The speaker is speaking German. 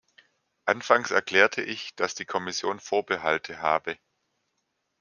Anfangs erklärte ich, dass die Kommission Vorbehalte habe.